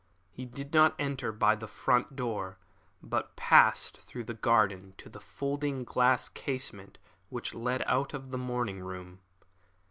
He did not enter by the front door, but passed through the garden to the folding glass casement which led out of the morning room.